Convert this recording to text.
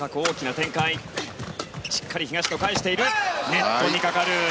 ネットにかかる。